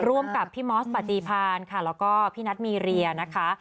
ร่วมกับพี่มอสปฏิพานค่ะแล้วก็พี่นัทมีเรียนะคะ